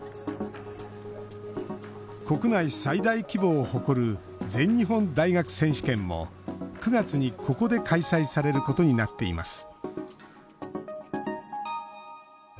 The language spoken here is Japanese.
国内最大規模を誇る全日本大学選手権も９月に、ここで開催されることになっています